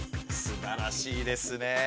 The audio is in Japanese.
すばらしいですね。